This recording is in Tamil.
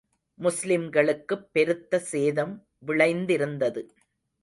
முஸ்லிம்களுக்குப் பெருத்த சேதம் விளைந்திருந்தது.